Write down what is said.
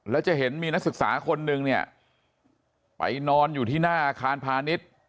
แล้วจะเห็นมีนักศึกษาคนนึงเนี่ยไปนอนอยู่ที่หน้าอาคารพาณิชย์